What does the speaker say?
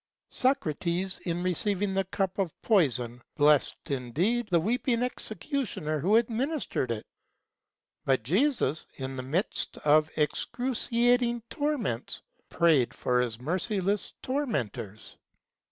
Socrates, in receiving the cup of poison, blessed, in deed, the weeping executioner who administered it; but Jesus, in the midst of excruciating torments, prayed for his merciless tormentors.